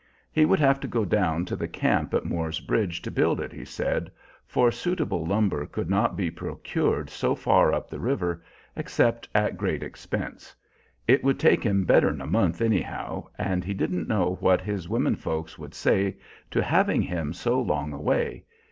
He would have to go down to the camp at Moor's Bridge to build it, he said, for suitable lumber could not be procured so far up the river, except at great expense. It would take him better'n a month, anyhow, and he didn't know what his women folks would say to having him so long away.